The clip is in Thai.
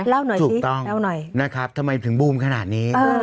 เล่าหน่อยสิเล่าหน่อยนะครับทำไมถึงวูมขนาดนี้แล้วก็